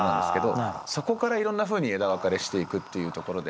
そこからいろんなふうに枝分かれしていくっていうところで。